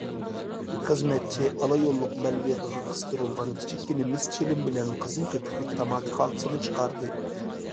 خىزمەتچى ئالا يوللۇق بەلۋېغىغا قىستۇرۇلغان كىچىككىنە مىس چىلىم بىلەن قىزىل پۆپۈكلۈك تاماكا خالتىسىنى چىقاردى.